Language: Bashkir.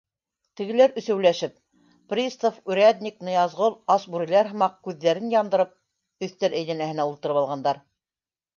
— Тегеләр, өсәүләшеп — пристав, урядник, Ныязғол, ас бүреләр һымаҡ күҙҙәрен яндырып, өҫтәл әйләнәһенә ултырып алғандар.